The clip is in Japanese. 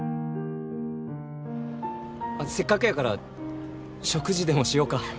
せっかくやから食事でもしようか。